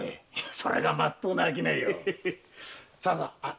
それがまっとうな商いよ。